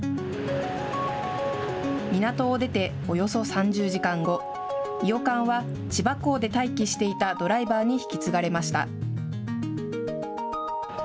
港を出ておよそ３０時間後、いよかんは千葉港で待機していたドライバーに引き継がれました。